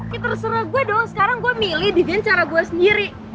terus terserah gue dong sekarang gue milih di gencara gue sendiri